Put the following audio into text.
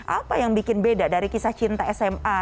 apa yang bikin beda dari kisah cinta sma